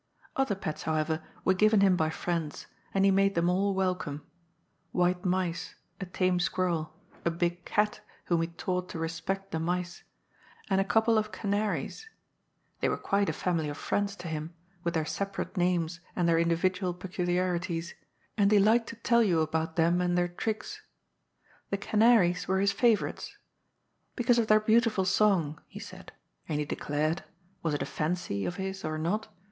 Other pets, however, were given him by friends, and he made them all welcome ; white mice, a tame squirrel, a big cat whom he taught to respect the mice, and a couple of canaries. They were quite a family of friends to him. I "LIKE A STREAM UNDER A WILLOW TREE," 87 with their separate names and their individual pecnliaritieSy and he liked to tell you abont them and their tricks. The canaries were his &Yourite8, ^because of their beantifol song,'^ he said, and he declared — ^was it a fancy of his or not?